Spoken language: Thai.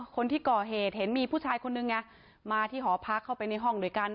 คนที่ก่อเหตุเห็นมีผู้ชายคนนึงไงมาที่หอพักเข้าไปในห้องด้วยกัน